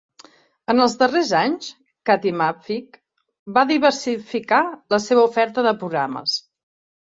En els darrers anys, Katimavik va diversificar la seva oferta de programes.